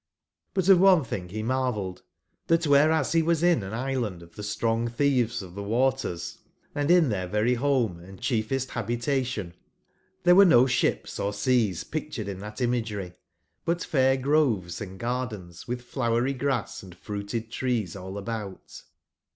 Butof one thinghe marvelled, that whereas hewasin an islandof the strong/ thieves of the waters, and in their very home and chiefest ha bitation, there were no ships or seas pictured in that imagery, but fair groves and gardens, with flowery grass & fruited trees all about.